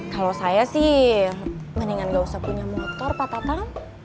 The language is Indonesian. kalau saya sih mendingan gak usah punya motor pak tatang